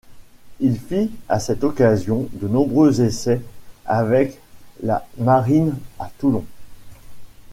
Il fit à cette occasion de nombreux essais avec la marine à Toulon.